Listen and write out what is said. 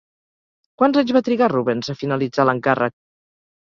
Quants anys va trigar Rubens a finalitzar l'encàrrec?